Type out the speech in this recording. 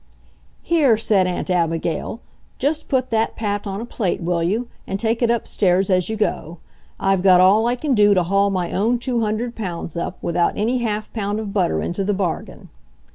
"Here," said Aunt Abigail, "just put that pat on a plate, will you, and take it upstairs as you go. I've got all I can do to haul my own two hundred pounds up, without any half pound of butter into the bargain."